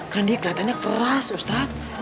kan dia keliatannya keras ustadz